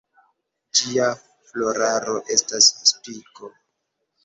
Ĝia floraro estas spiko.